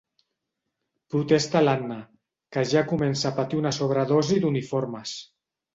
Protesta l'Anna, que ja comença a patir una sobredosi d'uniformes.